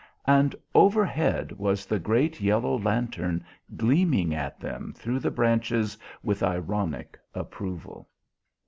And overhead was the great yellow lantern gleaming at them through the branches with ironic approval.